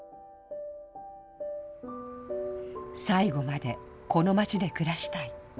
最期までこの町で暮らしたい。